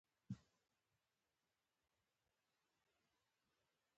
اوس مو ولیدل چې سکاره مې واخیستل.